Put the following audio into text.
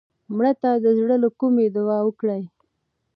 مړه ته د زړه له کومې دعا وکړه